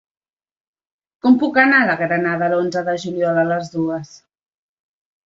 Com puc anar a la Granada l'onze de juliol a les dues?